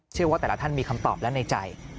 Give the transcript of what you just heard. เชื่อว่าแต่ละท่านมีคำตอบแล้วในใจ